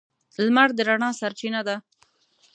• لمر د رڼا سرچینه ده.